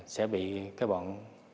sẽ bị cái bọn